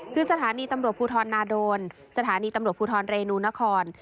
คือสถานีตำรวจภูทรนาโดนสถานีตำรวจภูทรเรนูนคร